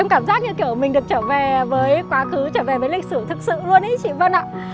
em cảm giác như kiểu mình được trở về với quá khứ trở về với lịch sử thật sự luôn ý chị vân ạ